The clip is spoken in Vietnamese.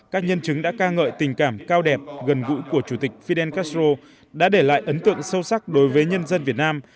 các nhân chứng đã ca ngợi tình cảm cao đẹp gần gũi của chủ tịch fidel castro đã để lại ấn tượng sâu sắc đối với nhân dân việt nam